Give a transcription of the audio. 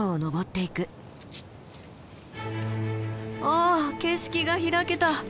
お景色が開けた。